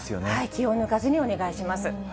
気を抜かずにお願いします。